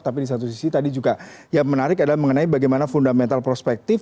tapi di satu sisi tadi juga yang menarik adalah mengenai bagaimana fundamental prospektif